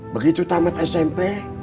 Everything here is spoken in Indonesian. begitu tamat smp